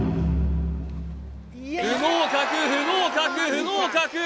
不合格不合格不合格